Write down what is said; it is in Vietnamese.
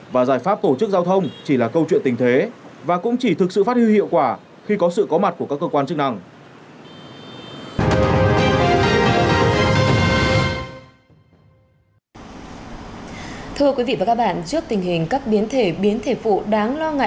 và các giải pháp tranh nắng nóng